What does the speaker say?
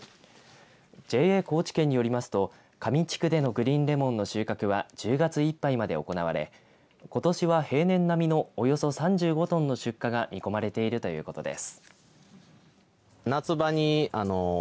ＪＡ高知県によりますと香美地区でのグリーンレモンの収穫は１０月いっぱいまで行われことしは平年並みのおよそ３５トンの出荷が見込まれているということです。